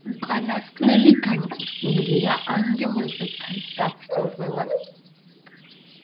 უკანასკნელი განკუთვნილია „ანგელოზებთან“ საბრძოლველად.